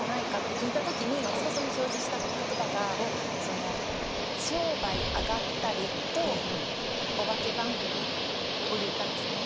聞いた時に私が表示した言葉がその「商売上がったり」と「お化け番組」を言ったんですね。